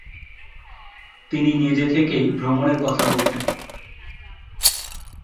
তিনি নিজে থেকেই ভ্রমণের কথা বলতেন।